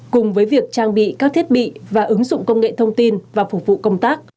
cùng với việc trang bị các thiết bị và ứng dụng công nghệ thông tin và phục vụ công tác